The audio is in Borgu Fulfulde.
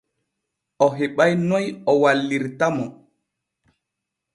O heɓa'i noy o wallirta mo.